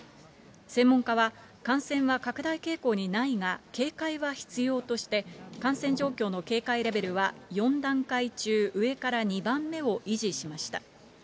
専門家は、感染は拡大傾向にないが、警戒は必要として、感染状況の警戒レベルは４段階中上から２番目を維持しました。